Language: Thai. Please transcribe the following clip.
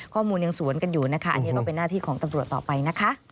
ข้อมูลยังสวนกันอยู่นะคะอันนี้ก็เป็นหน้าที่ของตำรวจต่อไปนะคะ